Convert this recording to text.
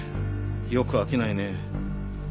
よく飽きないね。